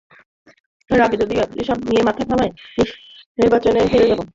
এর আগেই যদি এসব নিয়ে মাথা ঘামাই, নির্বাচনে হেরে যাব।